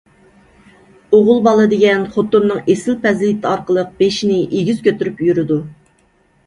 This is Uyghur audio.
ئوغۇل بالا دېگەن خوتۇننىڭ ئېسىل پەزىلىتى ئارقىلىق بېشىنى ئېگىز كۆتۈرۈپ يۈرىدۇ.